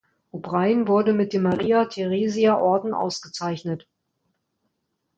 O’Brien wurde mit dem Maria-Theresia-Orden ausgezeichnet.